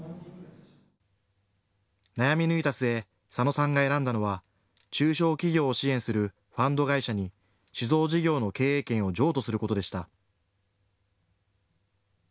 悩み抜いた末、佐野さんが選んだのは中小企業を支援するファンド会社に酒造事業の経営権を譲渡することでした。